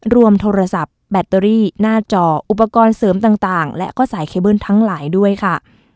รวมโทรศัพท์แบตเตอรี่หน้าจออุปกรณ์เสริมต่างและก็สายเคเบิ้ลทั้งหลายด้วยค่ะ